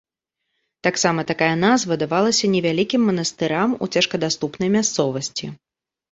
Таксама такая назва давалася невялікім манастырам у цяжкадаступнай мясцовасці.